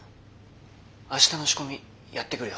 あしたの仕込みやってくるよ。